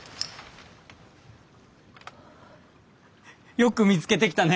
よく見つけてきたね！